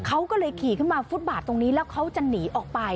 เขาก็เลยขี่ขึ้นมาฟุตบาทตรงนี้แล้วเขาจะหนีออกไป